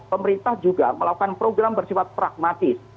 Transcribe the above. pemerintah juga melakukan program bersifat pragmatis